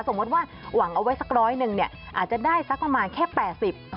สมมุติว่าหวังเอาไว้สักร้อยหนึ่งเนี่ยอาจจะได้สักประมาณแค่แปดสิบ